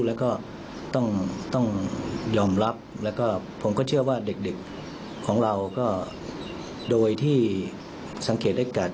แล้วก็ต้องยอมรับแล้วก็ผมก็เชื่อว่าเด็กของเราก็โดยที่สังเกตด้วยกัน